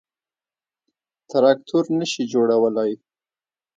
تراکتور نه شي جوړولای.